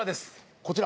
こちら！